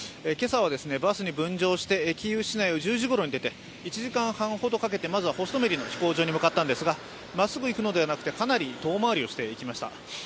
今朝はバスに分乗してキーウ市内を１０時頃に出て１時間半ほどかけて、まずはホストメリの飛行場に向かったんですがまっすぐ行くのではなくて、かなり遠回りをしていきました。